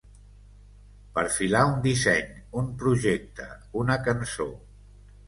Perfilar un disseny, un projecte, una cançó.